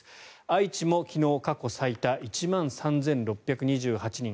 愛知も昨日、過去最多１万３６２８人。